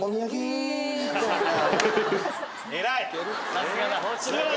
さすがだ。